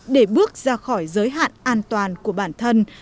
để bước ra khỏi giới hạn an toàn của bản thân